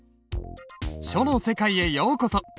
書の世界へようこそ。